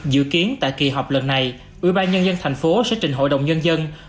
dự kiến tại kỳ họp lần này ủy ban nhân dân tp hcm sẽ trình hội đồng nhân dân